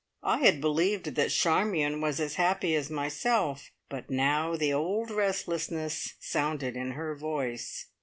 I had believed that Charmion was as happy as myself, but now the old restlessness sounded in her voice.